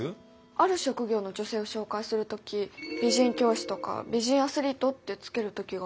ある職業の女性を紹介する時「美人教師」とか「美人アスリート」って付ける時がありますよね。